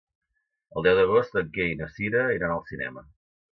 El deu d'agost en Quer i na Cira iran al cinema.